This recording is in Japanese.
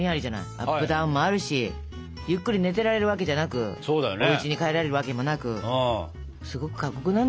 アップダウンもあるしゆっくり寝てられるわけじゃなくおうちに帰られるわけもなくすごく過酷なんですよ。